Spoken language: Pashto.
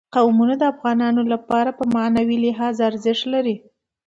قومونه د افغانانو لپاره په معنوي لحاظ ارزښت لري.